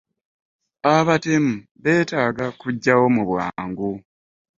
Abatemu betaaga kuggyawo mu bwangu.